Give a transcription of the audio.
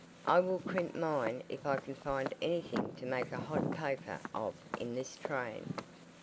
I will crimp mine if I can find anything to make a hot poker of in this train."